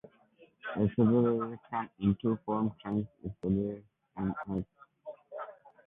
Isosafrole comes in two forms, trans-isosafrole and cis-isosafrole.